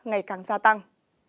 ngày càng gia tăng